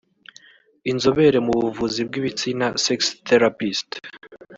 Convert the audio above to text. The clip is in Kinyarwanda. Inzobere mu buvuzi bw’ibitsina’Sex therapist’